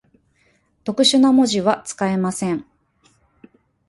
特殊な文字は、使えません。